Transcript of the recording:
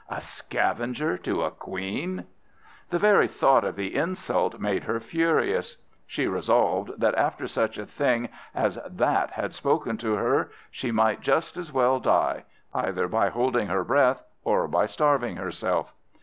a scavenger to a queen! The very thought of the insult made her furious. She resolved that, after such a thing as that had spoken to her, she might just as well die, either by holding her breath or by starving herself.